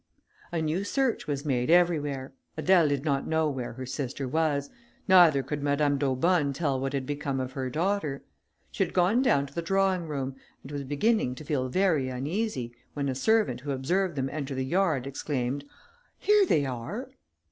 A new search was made everywhere; Adèle did not know where her sister was, neither could Madame d'Aubonne tell what had become of her daughter. She had gone down to the drawing room, and was beginning to feel very uneasy, when a servant who observed them enter the yard, exclaimed, "Here they are!"